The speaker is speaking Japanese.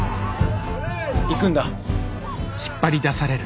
行くんだ。